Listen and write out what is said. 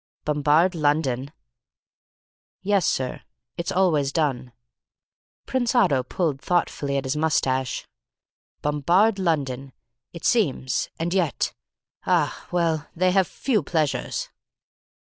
'" "Bombard London!" "Yes, sir; it's always done." Prince Otto pulled thoughtfully at his moustache. "Bombard London! It seems and yet ah, well, they have few pleasures."